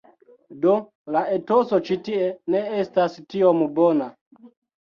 Do, la etoso ĉi tie ne estas tiom bona